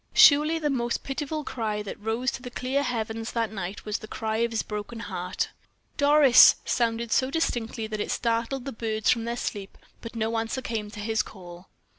Surely the most pitiful cry that rose to the clear heavens that night was the cry of this broken heart. "Doris!" sounded so distinctly that it startled the birds from their sleep; but no answer came to his call.